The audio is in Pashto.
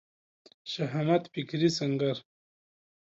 شهامت فکري سنګر